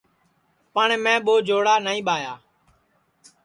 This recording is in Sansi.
پٹؔ میں ٻو جوڑا نائی ٻایا